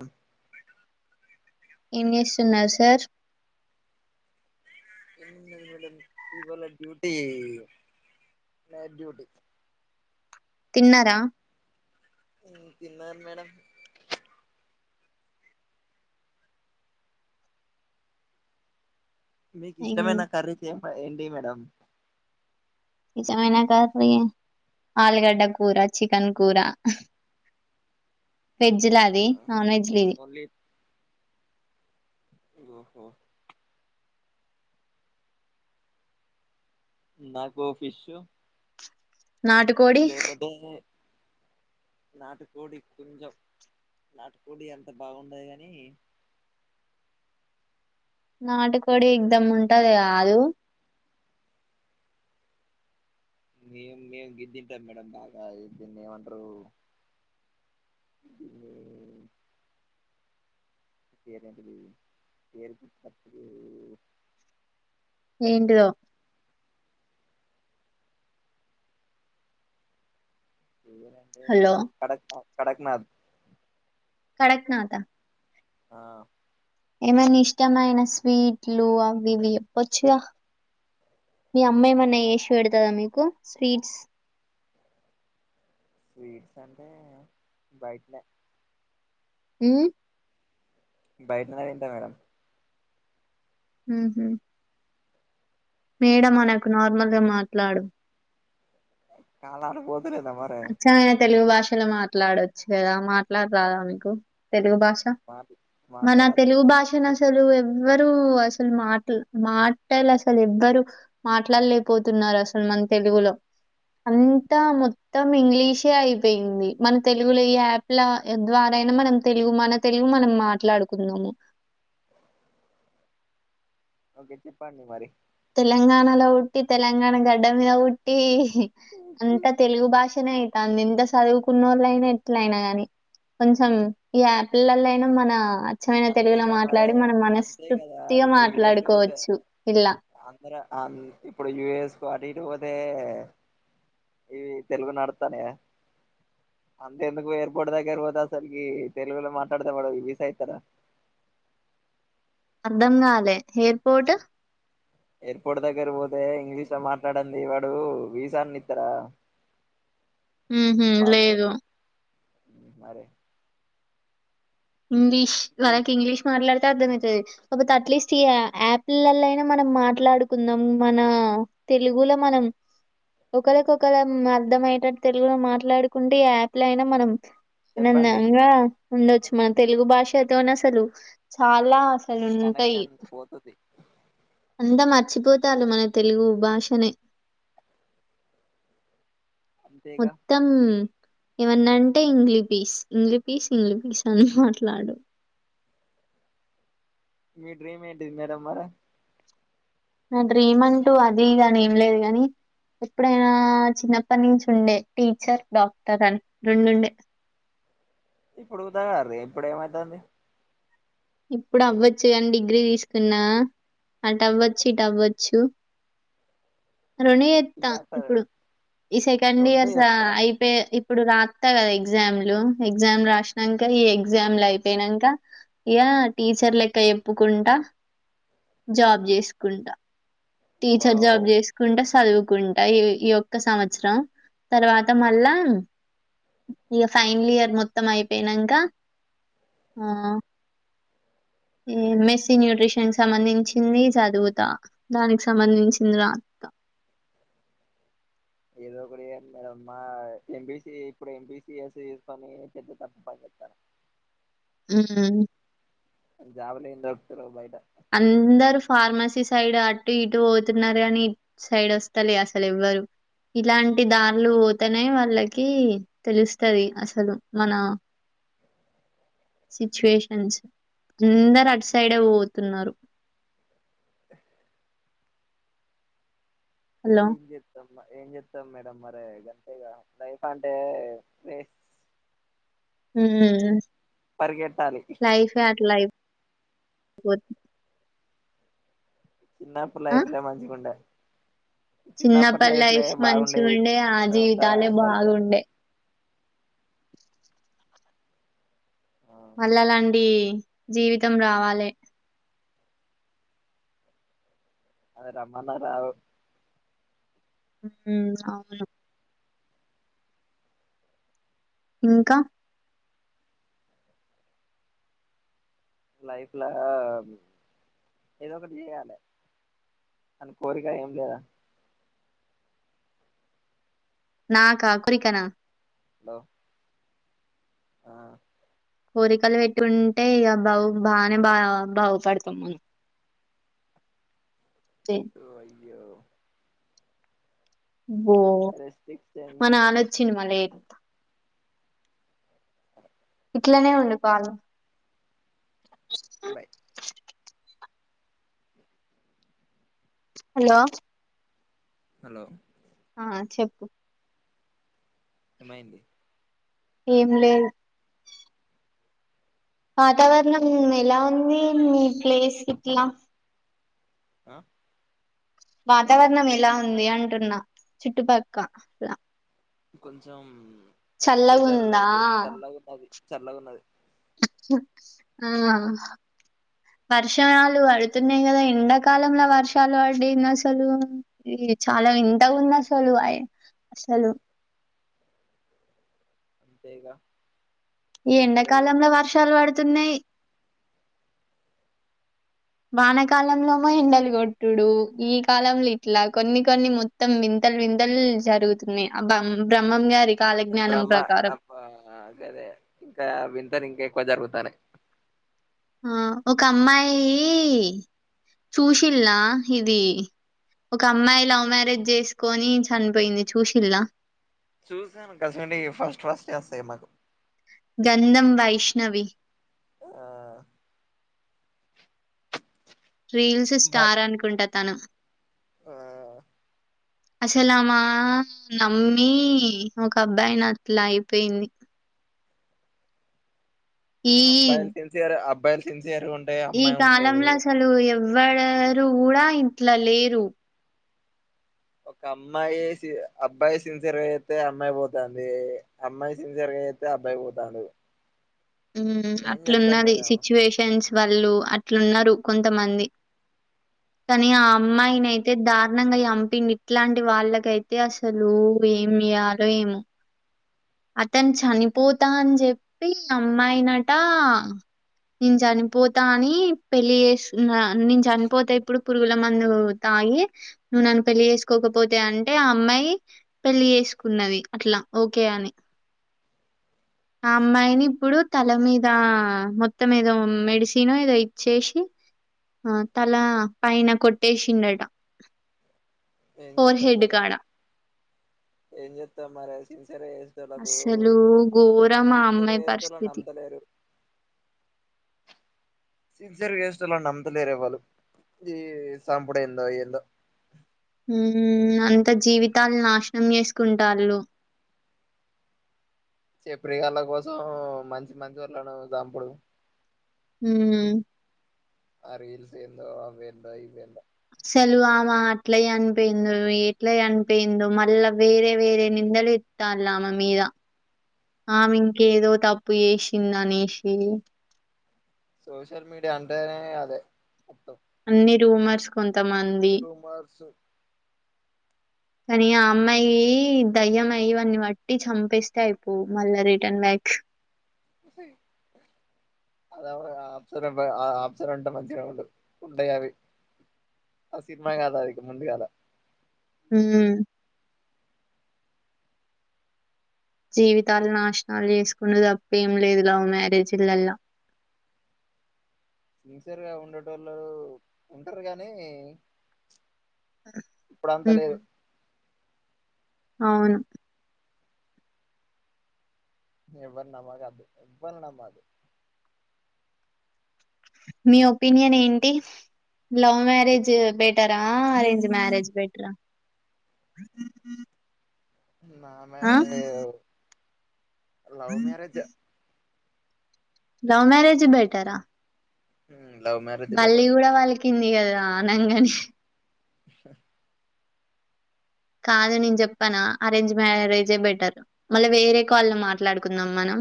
అ ఎం జేస్తున్నారు సార్ ఎం చేయడం ఇవాళ డ్యూటీ నైట్ డ్యూటీ తిన్నరా తిన్ తిన్నన్ మేడం మీకు ఇష్టమైన కర్రీ చే ఏంటి మేడం అ ఇస మైన కర్రీ ఆలుగడ్డ కూర చికన్ కూర వెజ్ ల అది నాన్ వెజ్ ల ఇది ఓన్లీ ఓహో నాకు ఫిషు నాటుకోడి నాటుకోడి కొంచం నాటుకోడి అంత బాగుండది గనీ నాటుకోడి ఎగ్ధం ఉంటది కాదు మేం మేం గిద్ తినటం మేడమ్ బాగా దిన్నేమంటరు. ఇదే. పేరేంటిది పేర్ గుర్తుకత్తలేదు ఏంటిదో హలో [unintelligible] కడత కడక్నద్ కడక్నాత ఆ ఏమైనా ఇష్టమైన స్వీట్లు అవి ఇవి చెప్పచ్చుగ. మీ అమ్మా ఏమన్నా చేశ్ పెడతద మీకు స్వీట్స్. స్వీట్స్ అంటే బయట్నే ఉమ్ బయటనే తింట మేడం ఉహుమ్ మేడం అనకు నార్మల్గా మాట్లాడు కాలాల పో అచ్చమైన తెలుగు భాష [inaudible] మాట్లాడొచ్చు కదా మాట్లాడరాదా మీకు తెలుగు భాష మా మన మాట్లాడచ్చు తెలుగు భాష న అసలు ఎవ్వరుూ అసలు మాట్ మాటలు అసలు ఎవ్వరు మాట్లాడలేపోతున్నారు అసలు మన తెలుగులో అంతా మో త్తం ఇంగ్లీషే అయిపోయింది మన తెలుగులో ఈ యాప్ల ద్వారాయినా మనం తెలుగు మన తెలుగు మనం మాట్లాడుకుందాము ఓకే చెప్పాండి మరి తెలంగాణలో పుట్టి తెలంగాణ గడ్డ మీద పుట్టి అంత తెలుగు భాషనే అయితాంది ఇంత చదువుకునోళ్ళయినా ఎట్లయినా గాని కొంచెం ఇగా పిల్లలయినా మన స్వచ్చమైన తెలుగులో అంతేగా మరే మాట్లాడి మనం అంతే కదా మనస్త్రూప్తిగా ఇప్పుడు యుఎస్ పోతే మాట్లాడుకోవచ్చు ఇలా ఇప్పుడు యుఎస్ కు అటు ఇటు పోతే ఇవి తెలుగు నడతానయా అంతెందుకు ఎయిర్పోర్ట్ దగ్గర పోతే అసలుకి తెలుగులో మాట్లాడితే వాడు వీసా ఇస్తాడా అర్ధం కాలే ఎయిర్పోర్ట్ ఎయిర్పోర్ట్ దగ్గర పోతే ఇంగ్లీష్ లో మాట్లాడంది వాడు వీసా అన్న ఎత్తాడ ఉహు లేదు మరే ఇంగ్లీష్ [inaudible] ఇంగ్లీష్ మాట్లాడితే అర్థమవుతది ఒకపోతే అట్లీస్ట్ ఈ యాప్లలల్లయినా మనం మాట్లాడుకుందాం మన తెలుగులో మనం ఒకరికొకరు అర్థమయటట్టు తెలుగులో మాట్లాడుకుంటే ఈ యాప్ లో అయినా మనం చెప్పండి ఆనందంగా ఉండొచ్చు. మన తెలుగు భాషతోని అసలు చాలా పలుంటై కనెక్షన్ పోతుంది ఎంత మర్చిపోతారు మన తెలుగు భాషనే అంతేగా మొత్తం ఏమన్న అంటే ఇంగ్లీ పస్ ఇంగ్లీ పస్ ఇంగ్లి పస్ అని మాట్లాడు మీ డ్రీమ్ ఏంటిది మేడం మరి నా డ్రీమ్ అంటూ అది దాని ఏం లేదు కానీ ఎప్పుడైనా చిన్నప్పటి నుంచి ఉండే టీచర్ డాక్టర్ అని రెండుండే ఇప్పుడుదాగారు ఇప్పుడు ఏమైతుంది ఇప్పుడు అవ్వచ్చు కాని డిగ్రీ తీసుకున్నా అటు అవ్వచ్చు ఇటు అవ్వచ్చు రుణీ ఎస్తాం చేస్తారు ఇప్పుడు ఈ సెకండ్ రెండు ఇయర్స్ చేస్తారా అయిపోయ ఇప్పుడు రాస్తా కదా ఎగ్జామ్ లు ఎగ్జామ్ రాసాక ఈ ఎగ్జామ్లు అయిపోయినాక ఇక టీచర్ లెక్క ఎప్పుకుంటా జాబ్ చేసుకుంటా టీచర్ వావ్ జాబ్ చేసుకుంటే చదువుకుంటా ఈయ ఒక్క సంవత్సరం తర్వాత మళ్ళా ఇక ఫైనల్ ఇయర్ మొత్తం అయిపోనాక ఈ మెస్సీన్యూట్రిషన్ సంబంధించింది చదువుతా దానికి సంబంధించింది రాత ఏదో ఒక మా ఎంబిసి ఇప్పుడు ఎంబిసి ఎస్ తీసుకొని పెద్ద తప్ప పని చెప్తాను ఆ జావలింద వతరు బయట అందరు ఫార్మసీ సైడ్ అటు ఇటు పోతున్నారు కాని సైడ్ వస్తలే అసలు ఎవ్వరు ఇలాంటి దారులు పోతేనే వాళ్ళకి తెలుస్తుది అసలు మన సిచ్యువేషన్స్ అందరు అటు సైడే పో తున్నారు హలో ఏం జేత్తాం ఏం చెప్తాం మేడం మరి గంతేగా లైఫ్ అంటే వేస్ట్ హ్మ్ లైఫ్ ఆట్లై [unintelligible] చిన్నప్పుడు ఆ లైఫ్లే మంచిగుండె చిన్నప్పటి లైఫ్ మంచి బాగుండేవి ఉండే ఆ ఇప్పుడు అంతా జీవితాలే దరిద్రం బాగుండే మల్లలండి జీవితం రావాలె అది రమన్నా రావు ఉమ్మ్ అవును ఇంకా లైఫ్ లో ఏదో ఒకటి చేయ్యాలి అని కోరిక ఏం లేదా నాకా కురికనా హలో ఆ కోరికలు పెట్టి ఉంటే ఇగ బౌ బానే బా బాగుపడతాం మనం తే యో బో రెస్ట్రిక్షన్ మా నానొచ్చిన మళ్ళీ ఇట్లనే వండుతాను బాయ్ హలో హలో ఆ చెప్పు ఏమైంది ఏం లేదు వాతావరణం ఎలా ఉంది మీ ప్లేస్ ఇట్లా ఆ వాతావరణం ఎలా ఉంది అంటున్నా చుట్టుపక్క లా కొంచెం వెదర్ చల్లగుందా? చల్లగున్నది చల్లగున్నది ఆ వర్షాలు పడుతున్నాయి కదా ఎండాకాలంలో వర్షాలు పడుడేంది అసలు ఇది చాలా వింతగుంది అసలు అ అసలు అంతేగా ఈ ఇప్పుడే ఎండకాలంలో వర్షాలు పడుతున్నాయి వానకాలంలో ఏమో ఎండలు కొట్టుడు ఈ కాలంలో ఇట్లా కొన్ని కొన్ని మొత్తం వింతలు వింతలు జరుగుతున్నాయి అబ్బ బ్రహ్మం గారి కాలజ్ఞానం బ్రహ్మ ప్రకారం అప్ అదే ఇంకా వింతని ఇంకె క్కువ జరుగుతనై ఆ ఒక అమ్మాయి చూసిల్లా ఇది ఒక అమ్మాయి లవ్ మ్యారేజ్ చేసుకొని చనిపోయింది చూసిల్లా చూసాను గాసోంటివి ఫస్ట్ ఫస్ట్ వస్తాయి మాకు గంధం వైష్ణవి ఆ రీల్స్ మాక్ స్టార్ అనుకుంట తను ఆ అసలు ఆమా నమ్మి ఒక అబ్బాయిని అట్లా అయిపోయింది ఈ అబ్బాయిలు సిన్సియర్ అబ్ అబ్బాయిలు సిన్ ఈ కాలం లో అసలు ఎవ్ ఎవ్వడూరు కూడా ఇట్ల లేరు ఒక అమ్మాయి సి అబ్బాయి సిన్సియర్గా చేస్తే అమ్మాయి పోతాంది అమ్మాయి సిన్సియర్గా చేస్తే అబ్బాయి పోతాండు ఉమ్ ఏం చేత్తం అట్లున్నది మేడం సిచ్యువేషన్స్ వాళ్ళు అట్లున్నారు కొంతమంది కానీ ఆ అమ్మాయిని అయితే దారుణంగా చంపింది ఇట్లాంటి వాళ్ళకైతే అసలు ఏం చేయాలో ఏమో అతను చనిపోతా అని చెప్పి అమ్మాయినట నేను చనిపోతా అని పెళ్లి చేస్తుకున్న నేను చనిపోతే ఇప్పుడు పురుగుల మందు తాగి నువ్వు నన్ను పెళ్లి చేసుకోకపోతే అంటే ఆ అమ్మాయి పెళ్లి చేసుకున్నది అట్లా ఓకే అని ఆ అమ్మాయిని ఇప్పుడు తల మీద మొత్తం ఏదో మెడిసిన్ ఏదో ఇచ్చేసి ఆ తల పైన కొట్టేసిండట ఏ ఫోర్ చెత్తాం హెడ్ మేడం కాడ ఏం చేత్తం మరే సి సిన్సియర్ చేసేవాళ్లకు అస్సలు ఘోరం ఆ సిన్సియర్గా అమ్మాయి చేస్తన్న పరిస్థితి నమ్ముతలేరు సిన్సియర్గా చేసేట్టోలన్ను నమ్ముతలేరు ఎవరు ఈ సంపుడెందో ఏందో ఉమ్ అంత జీవితాలని నాశనం చేసుకుంటాళ్ళు చెప్పరి గాళ్ళ కోసం మంచి మంచి వాళ్ళను చంపుడు ఉమ్ ఆ రీల్స్ ఏందో అవేందో ఇవేందో సలు ఆమె అట్లయి అనిపోయిందో ఎట్ల అనిపోయిందో మళ్ళా వేరే వేరే నిందలు ఇత్తాళ్ళు ఆమె మీద ఆమె ఇంకేదో తప్పు చేసింద అనేషి సోష్యల్ మీడియా అంటేనే అదే అ అన్ని రూమర్స్ కొత్ రూమర్స్ కానీ ఆ అమ్మాయి దయ్యమయి ఇవన్నీ బట్టి చంపేస్తే అయిపోవు మళ్ళా రిటర్న్ బ్యాక్ అదవ ఆప్సర ఆప్సరంట మంచి ర ఉడు ఉండయావి ఆ సినిమా కాదా అదికి ముందుగాదా హ్మ్మ్ జీవితాలు నాశనాలు చేసుకుండు తప్ప ఏమి లేదు లవ్ మ్యారేజీలల్ల సిన్సియర్గా ఉండేటోళ్ళు ఉంటారు గానీ ఇప్పుడంతా ఉమ్, లేదు అవును ఎవ్వరిన్నామక ఎవ్వరున్నామ్మాలీ మీ ఒపీనియన్ ఏంటి లవ్ మ్యారేజ్ బెటరా అరేంజ్ మ్యారేజ్ బెటరా నా మ్యా లవ్ మ్యారేజ్ యే లవ్ మ్యారేజ్ యే బెటరా లవ్ మ్యారేజ్ బెటర్ బల్లి కూడా పలికింది కిందిగదా అనగానే ఆహా కాదు నేను చెప్పానా అరేంజ్ మ్యారేజే బెటర్ మళ్ళా వేరే కాల్లో మాట్లాడుకుందాం మనం